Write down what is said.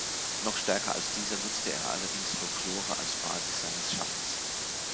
Noch stärker als dieser nutzte er allerdings Folklore als Basis seines Schaffens.